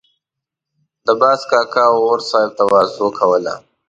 د باز کاکا او اور صاحب تواضع کوله.